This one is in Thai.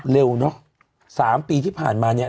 เร็วเนอะ๓ปีที่ผ่านมาเนี่ย